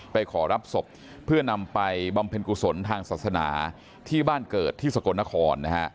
ขอรับศพเพื่อนำไปบำเพ็ญกุศลทางศาสนาที่บ้านเกิดที่สกลนครนะฮะ